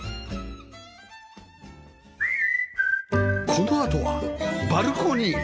このあとはバルコニー